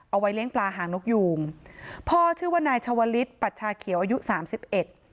เอาไว้เลี้ยงปลาหางนกยูงพ่อชื่อว่านายชาวลิศปัชชาเขียวอายุสามสิบเอ็ด